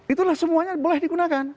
itulah semuanya boleh digunakan